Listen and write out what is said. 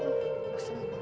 bosan deh gak ada kegiatan